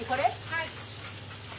はい。